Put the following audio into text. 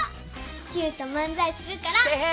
キューとまんざいするから。てへっ。